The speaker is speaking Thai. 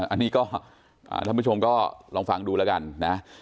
อันนี้ก็ท่านผู้ชมก็ลองฟังดูแล้วกันนะ